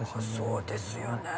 そうですよね。